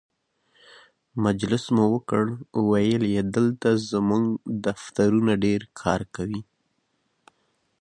مجلس مو وکړ، ویل یې دلته زموږ دفترونه ډېر کار کوي.